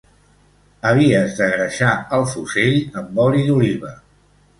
Havies de greixar el fusell amb oli d'oliva